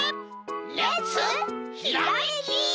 レッツひらめき！